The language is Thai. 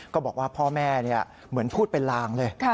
ก็บอกว่าพ่อแม่เหมือนพูดเป็นลางเลย